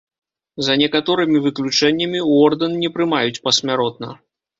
За некаторымі выключэннямі, у ордэн не прымаюць пасмяротна.